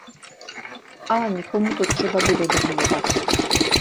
Ale někomu to třeba bude vyhovovat.